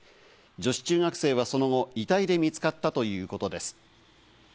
女子中学生はその後、遺体で見つかったということです。